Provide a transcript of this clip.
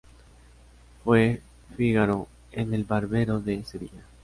Fue Fígaro en El barbero de Sevilla.